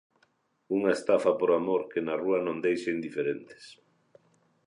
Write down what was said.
Unha estafa por amor que na rúa non deixa indiferentes.